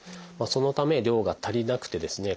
そのため量が足りなくてですね